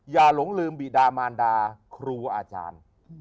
หลงลืมบีดามารดาครูอาจารย์